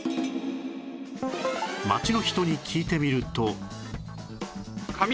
街の人に聞いてみると